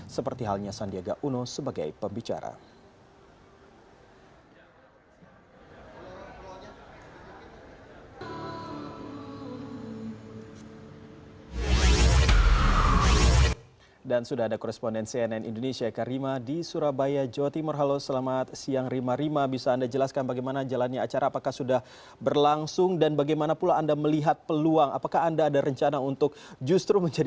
seperti halnya sandiaga uno sebagai pembicara